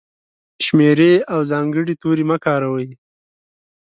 شمېرې او ځانګړي توري مه کاروئ!.